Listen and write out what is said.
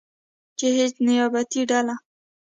چې هیڅ نیابتي ډله